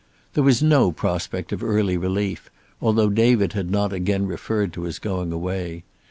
There was no prospect of early relief, although David had not again referred to his going away.